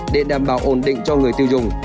để đảm bảo ổn định cho người tiêu dùng